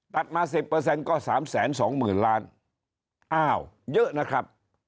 ตัดมาสิบเปอร์เซ็นต์ก็สามแสนสองหมื่นล้านอ้าวเยอะนะครับ